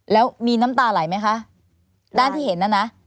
แล้วมีน้ำตาไหลไหมคะด้านที่เห็นน่ะนะ